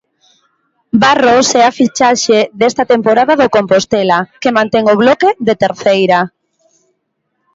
Barros é a fichaxe desta temporada do Compostela, que mantén o bloque de Terceira.